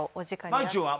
まいちゅんは？